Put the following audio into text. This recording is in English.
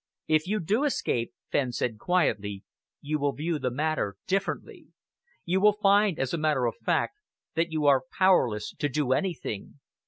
"If you do escape," Fenn said quietly, "you will view the matter differently. You will find, as a matter of fact, that you are powerless to do anything.